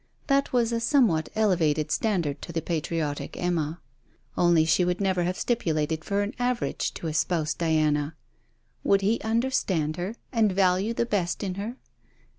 That was a somewhat elevated standard to the patriotic Emma. Only she would never have stipulated for an average to espouse Diana. Would he understand her, and value the best in her?